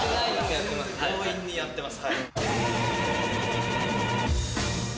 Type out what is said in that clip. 強引にやってます。